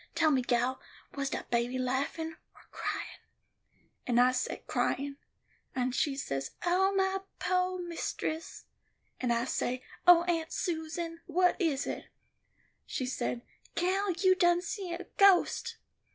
Tell me, gal, was dat baby laughin' or cryin'?' and I say, 'Cryin';' and she say, 'Ooh, my poo' mistess;' and I said, 'Oh, Aunt Susan, what is it?' She say: 'Gal, you done see a ghost.